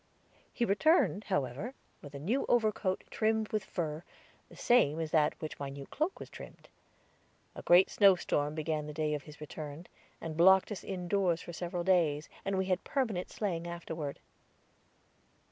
He returned, however, with a new overcoat trimmed with fur, the same as that with which my new cloak was trimmed. A great snowstorm began the day of his return, and blocked us indoors for several days, and we had permanent sleighing afterward.